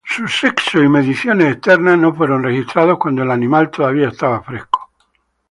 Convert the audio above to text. Su sexo y mediciones externas no fueron registrados cuando el animal todavía estaba fresco.